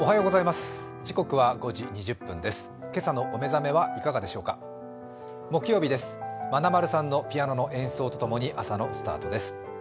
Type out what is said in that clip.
まなまるさんのピアノの演奏と共に朝のスタートです。